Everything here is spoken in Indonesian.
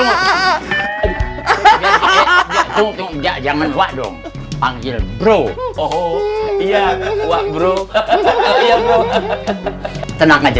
hahaha tunggu tunggu jangan pak dong panggil bro oh iya wah bro tenang aja